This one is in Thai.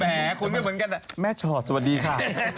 แหมคุณก็เหมือนกันแหละแม่ฉอดสวัสดีค่ะ